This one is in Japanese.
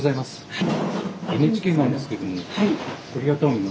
はい。